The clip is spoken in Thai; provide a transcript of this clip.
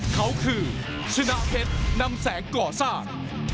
เขาคือชนะเพชรนำแสงก่อสร้าง